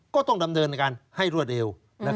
ก็ต้องดำเนินการให้รวดเร็ว